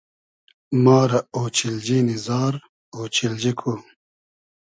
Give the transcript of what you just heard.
ما رۂ اۉچیلنی نی زار ، اۉچیلجی کو